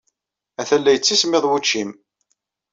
Atan la yettismiḍ wučči-nnem.